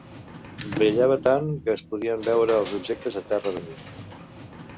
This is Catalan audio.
Brillava tant que es podien veure els objectes a terra de nit.